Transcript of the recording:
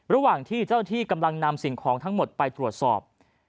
ระหว่างที่เจ้าหน้าที่กำลังนำสิ่งของทั้งหมดไปตรวจสอบ